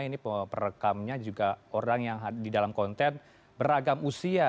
ini perekamnya juga orang yang di dalam konten beragam usia